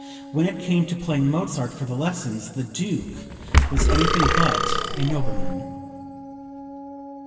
When it came to paying Mozart for the lessons the Duke was anything but a nobleman.)